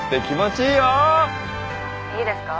いいですか？